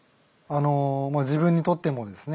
もう自分にとってもですね